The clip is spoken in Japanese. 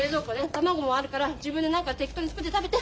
卵もあるから自分で何か適当に作って食べて。